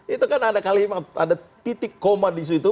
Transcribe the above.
itu kan ada kalimat ada titik koma disitu